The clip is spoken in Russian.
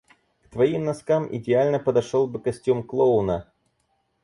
К твоим носкам идеально подошёл бы костюм клоуна.